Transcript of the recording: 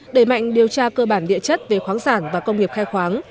đẩy mạnh điều tra cơ bản địa chất về khoáng sản và công nghiệp khai khoáng